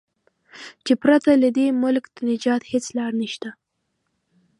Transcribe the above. چې پرته له دې د ملک د نجات هیڅ لار نشته.